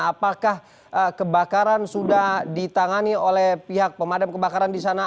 apakah kebakaran sudah ditangani oleh pihak pemadam kebakaran di sana